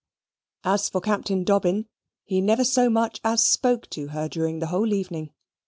As for Captain Dobbin, he never so much as spoke to her during the whole evening.